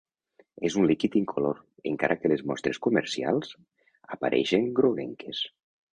És un líquid incolor, encara que les mostres comercials apareixen groguenques.